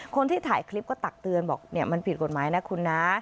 คนที่ถ่ายคลิปก็ตักเตือนบอกมันผิดกฎหมายนะคุณนะ